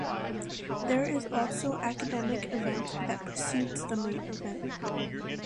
There is also academic event that precedes the main event.